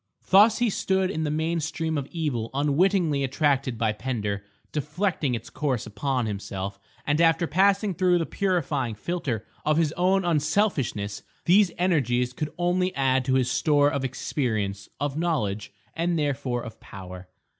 Thus he stood in the main stream of evil unwittingly attracted by Pender, deflecting its course upon himself; and after passing through the purifying filter of his own unselfishness these energies could only add to his store of experience, of knowledge, and therefore of power.